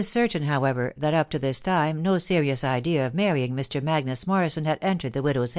i certain, however, that up to this time no serines lift j£ marrying Mr. Magnus Morrison had entered the widow*!